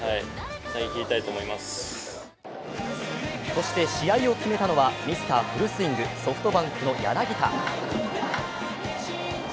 そして試合を決めたのはミスターフルスイング、ソフトバンクの柳田。